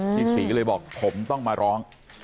กศรีก็เลยบอกผมต้องมาร้อง